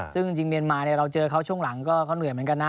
ซึ่งจริงเมียนมาเราเจอเขาช่วงหลังก็เขาเหนื่อยเหมือนกันนะ